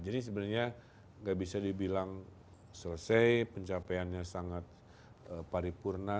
jadi sebenarnya tidak bisa dibilang selesai pencapaiannya sangat paripurna